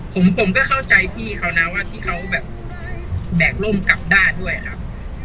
ผมผมก็เข้าใจพี่เขานะว่าที่เขาแบบแบกร่มกลับด้าด้วยครับ